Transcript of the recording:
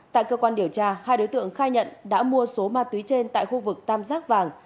tại cơ quan điều tra hai đối tượng khai nhận đã mua số ma túy trên tại khu vực tam giác vàng